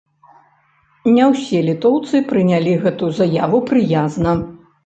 Ня ўсе літоўцы прынялі гэтую заяву прыязна.